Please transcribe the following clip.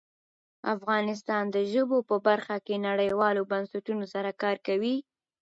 افغانستان د ژبو په برخه کې نړیوالو بنسټونو سره کار کوي.